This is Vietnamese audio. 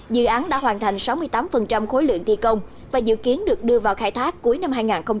dự án đã hoàn thành sáu mươi tám khối lượng thi công và dự kiến được đưa vào khai thác cuối năm hai nghìn hai mươi